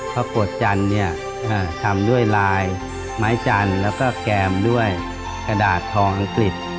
กรวดจันทร์เนี่ยทำด้วยลายไม้จันทร์แล้วก็แกมด้วยกระดาษทองอังกฤษ